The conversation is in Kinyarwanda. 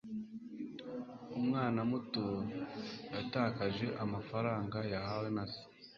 umwana muto yatakaje amafaranga yahawe na se